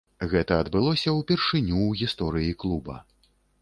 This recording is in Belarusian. Гэта адбылося ўпершыню ў гісторыі клуба.